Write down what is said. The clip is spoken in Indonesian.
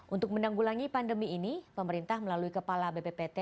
untuk menanggulangi pandemi ini pemerintah melalui kepala bppt